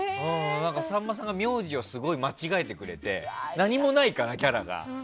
さんまさんが名字をすごい間違えてくれて何もないから、キャラが。